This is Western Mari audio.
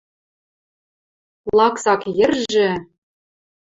Лаксак йӹржӹ...